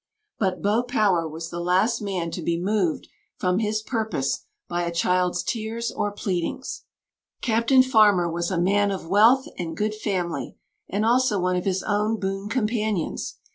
But "Beau Power" was the last man to be moved from his purpose by a child's tears or pleadings. Captain Farmer was a man of wealth and good family, and also one of his own boon companions.